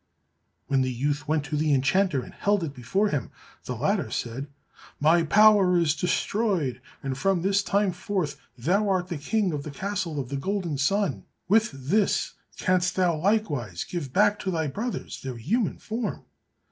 When the youth went to the enchanter and held it before him, the latter said, "My power is destroyed, and from this time forth thou art the King of the Castle of the Golden Sun. With this canst thou likewise give back to thy brothers their human form."